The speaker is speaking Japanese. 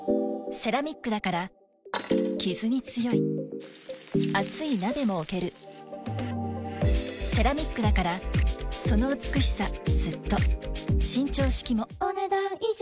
セラミックだからキズに強い熱い鍋も置けるセラミックだからその美しさずっと伸長式もお、ねだん以上。